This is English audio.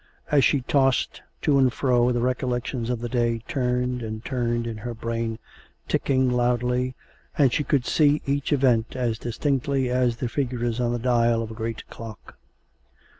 As she tossed to and fro the recollections of the day turned and turned in her brain, ticking loudly, and she could see each event as distinctly as the figures on the dial of a great clock.